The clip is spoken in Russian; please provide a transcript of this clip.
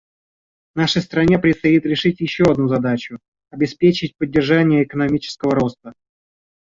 Нашей стране предстоит решить еще одну задачу — обеспечить поддержание экономического роста.